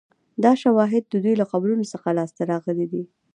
دا شواهد د دوی له قبرونو څخه لاسته راغلي دي